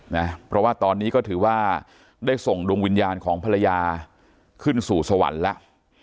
นะเพราะว่าตอนนี้ก็ถือว่าได้ส่งดวงวิญญาณของภรรยาขึ้นสู่สวรรค์แล้ว